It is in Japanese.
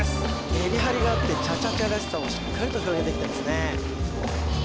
メリハリがあってチャチャチャらしさをしっかりと表現できてますね